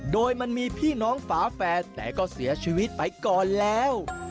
โดยมันมีพี่น้องฝาแฝดแต่ก็เสียชีวิตไปก่อนแล้ว